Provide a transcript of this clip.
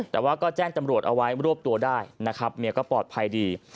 แต่ว่าก็แจ้งจำรวจเอาไว้รวบตัวได้นะครับเมียก็ปลอดภัยดี